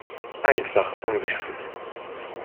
Einfach umwerfend!